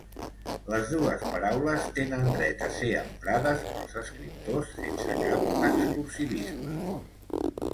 Les dues paraules tenen dret a ser emprades pels escriptors, sense cap exclusivisme.